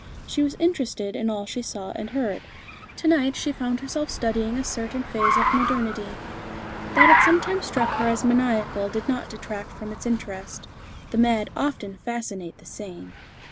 She was interested in all she saw and heard. To night she found herself studying a certain phase of modernity. That it sometimes struck her as maniacal did not detract from its interest. The mad often fascinate the sane.